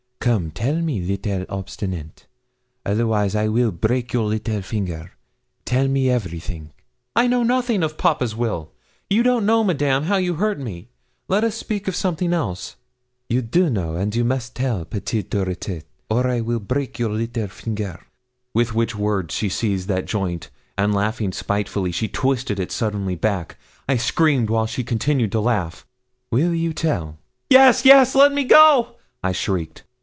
Come tell me, little obstinate, otherwise I will break your little finger. Tell me everything.' 'I know nothing of papa's will. You don't know, Madame, how you hurt me. Let us speak of something else.' 'You do know, and you must tell, petite dure tête, or I will break a your little finger.' With which words she seized that joint, and laughing spitefully, she twisted it suddenly back. I screamed while she continued to laugh. 'Will you tell?' 'Yes, yes! let me go,' I shrieked.